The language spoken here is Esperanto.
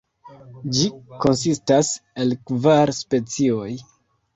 Ĝi konsistas el kvar specioj.